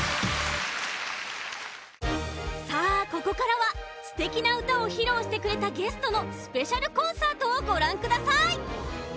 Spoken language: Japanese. さあここからはすてきなうたをひろうしてくれたゲストのスペシャルコンサートをごらんください！